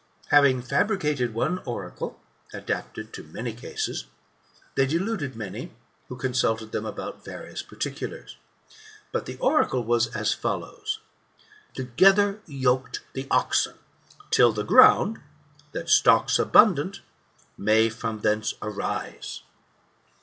Having fabricated one oracle, adapted to many cases, they deluded many, who consulted them about various particulars. But the oracle was as follows : Together yok'd the oxen, till the ground. That stocks abundant may from thence «ris<s.